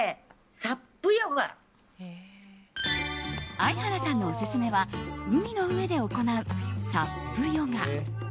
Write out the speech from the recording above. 相原さんのオススメは海の上で行うＳＵＰヨガ。